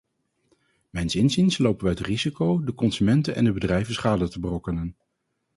Mijns inziens lopen wij het risico de consumenten en de bedrijven schade te berokkenen.